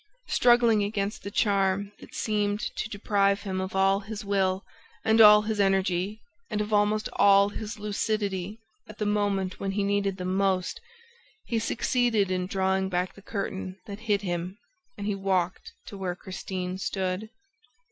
Struggling against the charm that seemed to deprive him of all his will and all his energy and of almost all his lucidity at the moment when he needed them most, he succeeded in drawing back the curtain that hid him and he walked to where Christine stood.